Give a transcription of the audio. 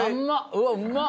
うわうまっ！